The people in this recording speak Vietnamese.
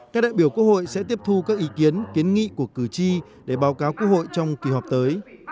các đại biểu quốc hội sẽ tiếp thu các ý kiến kiến nghị của cử tri để báo cáo quốc hội trong kỳ họp tới